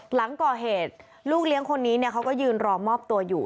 หลังก่อเหตุลูกเลี้ยงคนนี้เขาก็ยืนรอมอบตัวอยู่